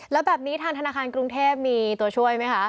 แล้วแบบนี้ทางธนาคารกรุงเทพมีตัวช่วยไหมคะ